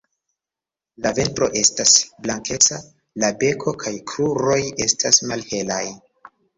La ventro estas blankeca, la beko kaj kruroj estas malhelaj.